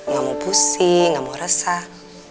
gak mau pusing gak mau resah